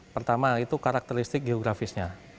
pertama karakteristik geografisnya